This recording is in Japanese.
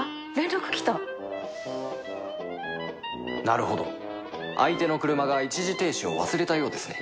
なるほど相手の車が一時停止を忘れたようですね